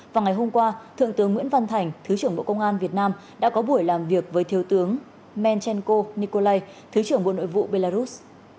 vào ngày hôm qua thượng tướng nguyễn văn thành thứ trưởng bộ công an việt nam đã có buổi làm việc với thiếu tướng menchenko nikolai thứ trưởng bộ nội vụ belarus